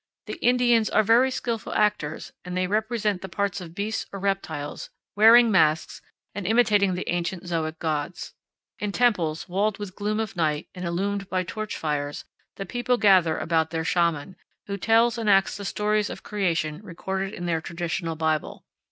The Indians are very skillful actors, and they represent the parts of beasts or reptiles, wearing masks and imitating the ancient zoic gods. In temples walled with gloom of night and illumed by torch fires the people gather about their Shaman, who tells and acts the stories of creation recorded in their traditional bible.